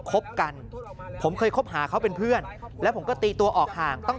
คบกันผมเคยคบหาเขาเป็นเพื่อนแล้วผมก็ตีตัวออกห่างต้อง